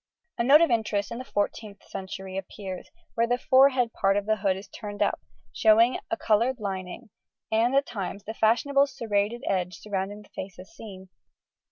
A note of interest in the 14th century appears, where the forehead part of the hood is turned up, showing a coloured lining, and at times the fashionable serrated edge surrounding the face is seen.